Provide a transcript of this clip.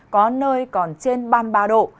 có nơi còn trên ba mươi ba độ